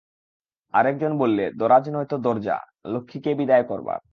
আর-একজন বললে, দরাজ নয় তো দরজা, লক্ষ্মীকে বিদায় করবার।